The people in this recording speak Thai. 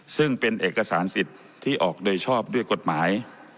ซึ่งเป็นเอกสารสิทธิ์ที่ออกโดยชอบด้วยกฎหมาย